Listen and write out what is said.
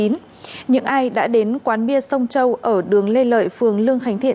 những ai đã đến quán bia sông châu ở đường lê lợi phường lương khánh thiện